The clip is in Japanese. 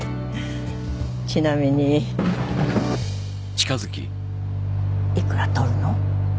ちなみにいくら取るの？